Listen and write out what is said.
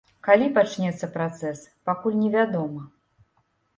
Калі пачнецца працэс, пакуль невядома.